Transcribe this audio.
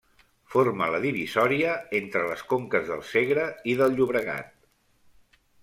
Forma la divisòria entre les conques del Segre i del Llobregat.